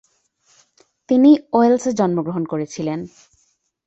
তিনি ওয়েলসে জন্মগ্রহণ করেছিলেন।